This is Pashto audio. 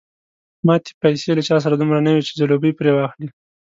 ماتې پیسې له چا سره دومره نه وې چې ځلوبۍ پرې واخلي.